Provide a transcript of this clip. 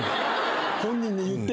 本人に言って。